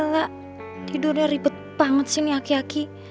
gila tidurnya ribet banget sih nih aki aki